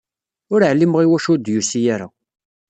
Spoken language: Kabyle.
Ur ɛlimeɣ iwacu ur d-yusi ara.